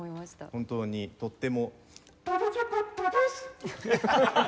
本当にとっても。